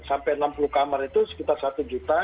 sampai enam puluh kamar itu sekitar satu juta